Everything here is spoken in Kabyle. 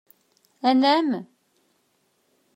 AnƐam?